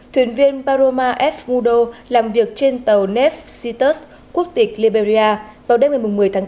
thuyền viên paroma f mudo làm việc trên tàu nef citus quốc tịch liberia vào đêm một mươi tháng tám